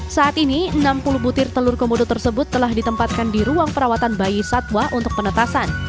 saat ini enam puluh butir telur komodo tersebut telah ditempatkan di ruang perawatan bayi satwa untuk penetasan